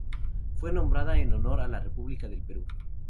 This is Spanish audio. Fue nombrada en honor a la República del Perú.